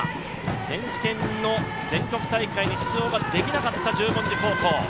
選手権の全国大会に出場ができなかった十文字高校。